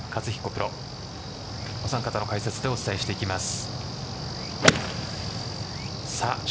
プロお三方の解説でお伝えしていきます。